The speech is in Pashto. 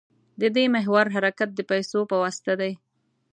د دې محور حرکت د پیسو په واسطه دی.